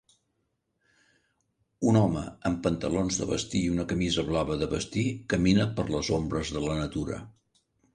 Un home amb pantalons de vestir i una camisa blava de vestir camina per les ombres de la natura.